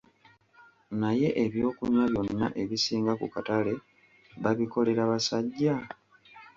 Naye ebyokunywa byonna ebisinga ku katale babikolera basajja?